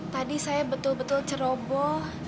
tadi saya betul betul ceroboh